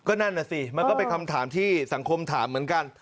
นั่นน่ะสิมันก็เป็นคำถามที่สังคมถามเหมือนกัน